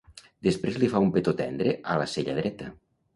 Després li fa un petó tendre a la cella dreta.